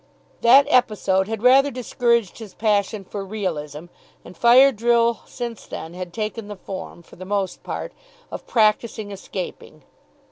That episode had rather discouraged his passion for realism, and fire drill since then had taken the form, for the most part, of "practising escaping."